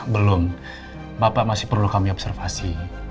belum bapak masih perlu kami observasi